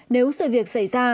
nếu sự việc xảy ra